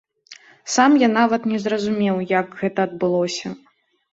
Сам я нават не зразумеў, як гэта адбылося.